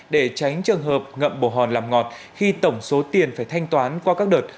để tránh trường hợp ngậm bổ hòn làm ngọt khi tổng số tiền phải thanh toán qua các đợt